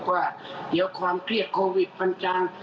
ว่าเดี๋ยวความเครียดโควิดมันจาง